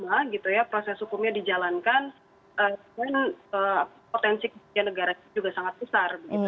yang sangat lama proses hukumnya dijalankan dan potensi kebijakan negara itu juga sangat besar